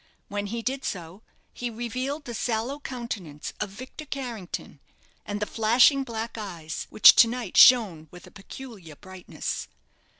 When he did so, he revealed the sallow countenance of Victor Carrington, and the flashing black eyes, which to night shone with a peculiar brightness.